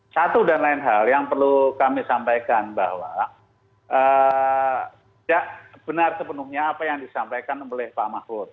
satu dan lain hal yang perlu kami sampaikan bahwa tidak benar sepenuhnya apa yang disampaikan oleh pak mahfud